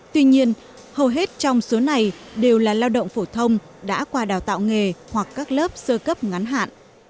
tuy nhiên hầu hết trong số này đều là lao động phổ thông đã qua đào tạo nghề hoặc các lớp sơ cấp ngắn hạn